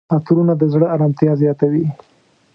عطرونه د زړه آرامتیا زیاتوي.